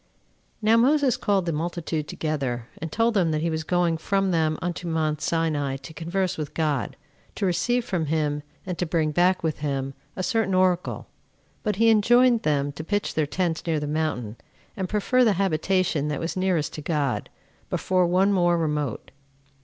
1. Now Moses called the multitude together, and told them that he was going from them unto mount Sinai to converse with God; to receive from him, and to bring back with him, a certain oracle; but he enjoined them to pitch their tents near the mountain, and prefer the habitation that was nearest to God, before one more remote.